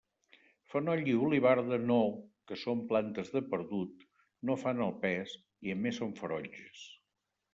Fenoll i olivarda no, que són plantes de perdut, no fan el pes, i a més són ferotges.